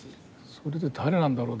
それで誰なんだろう？